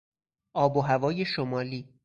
آب و هوای شمالی